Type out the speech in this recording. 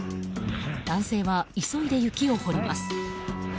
男性は急いで雪を掘ります。